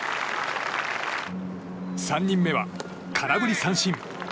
３人目は、空振り三振。